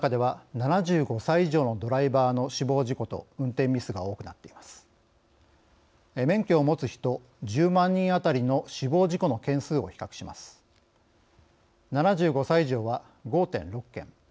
７５歳以上は５．６件。